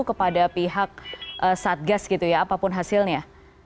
kepada pihak satgas gitu ya apapun hasilnya